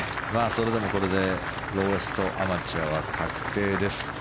それでもこれでローエストアマチュアは確定です。